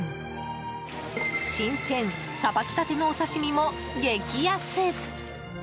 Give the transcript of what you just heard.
新鮮、さばきたてのお刺し身も激安。